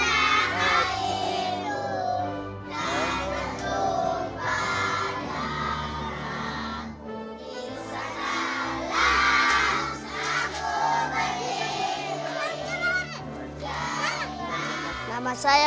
kepala indonesia tanah airmu tanah tumpah darah